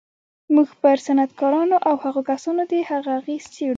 موږ پر صنعتکارانو او هغو کسانو د هغه اغېز څېړو